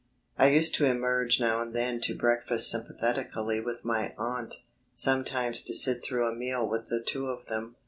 I used to emerge now and then to breakfast sympathetically with my aunt, sometimes to sit through a meal with the two of them.